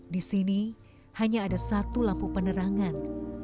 di sini hanya ada satu lampu penerangan